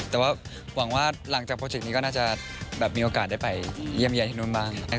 แต่ว่าหวังว่าหลังจากโปรเจกต์นี้ก็น่าจะแบบมีโอกาสได้ไปเยี่ยมใหญ่ที่นู้นบ้าง